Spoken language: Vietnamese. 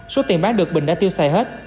số tiền bán được bình đã tiêu xài hết